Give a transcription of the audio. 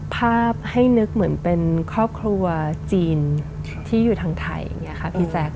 ภาพให้นึกเหมือนเป็นครอบครัวจีนที่อยู่ทางไทยอย่างนี้ค่ะพี่แจ๊ค